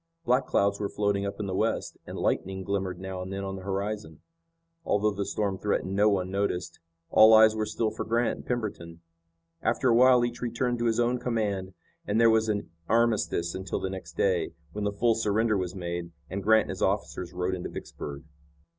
Black clouds were floating up in the west, and lightning glimmered now and then on the horizon. Although the storm threatened no one noticed. All eyes were still for Grant and Pemberton. After a while each returned to his own command, and there was an armistice until the next day, when the full surrender was made, and Grant and his officers rode into Vicksburg.